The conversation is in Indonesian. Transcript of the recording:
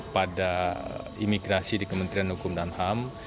pada imigrasi di kementerian hukum dan ham